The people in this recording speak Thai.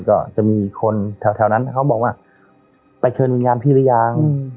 ก็จะมีคนแถวนั้นเขาบอกว่าไปเชิญวิญญาณพี่หรือยัง